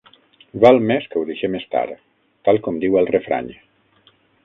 Val més que ho deixem estar, tal com diu el refrany.